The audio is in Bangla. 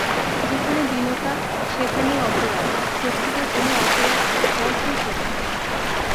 যেখানে দীনতা সেখানেই অপরাধ, শক্তিকে কোনো অপরাধ স্পর্শই করে না।